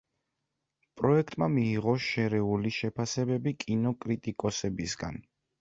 პროექტმა მიიღო შერეული შეფასებები კინოკრიტიკოსებისგან.